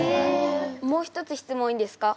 もう一つ質問いいですか？